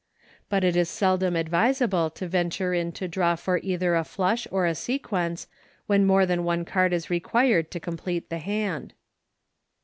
But it is seldom advisable to venture in to draw for either a flush or a sequence when more than one card is required to complete the hand.